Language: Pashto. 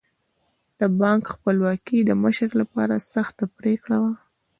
د بانک خپلواکي د مشر لپاره سخته پرېکړه وه.